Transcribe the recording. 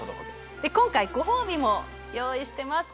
今回ご褒美も用意してます